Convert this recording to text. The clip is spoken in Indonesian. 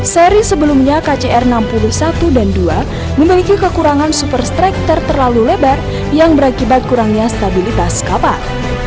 seri sebelumnya kcr enam puluh satu dan dua memiliki kekurangan super striker terlalu lebar yang berakibat kurangnya stabilitas kapal